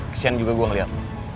kesian juga gue ngeliat